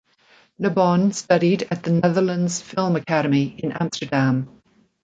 Lebon studied at the Netherlands Film Academy in Amsterdam.